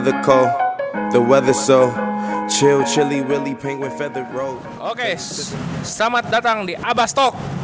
oke selamat datang di abastok